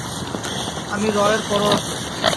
আমি রয়ের পরোয়া করি!